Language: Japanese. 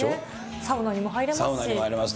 サウナにも入れますし。